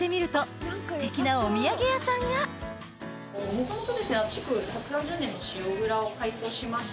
もともと築１４０年の塩蔵を改装しまして。